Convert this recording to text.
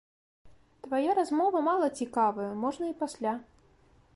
Твая размова мала цікавая, можна і пасля!